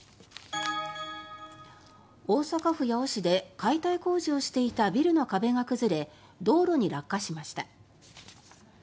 大阪府八尾市で解体工事をしていたビルの壁が崩れ道路に落下しました。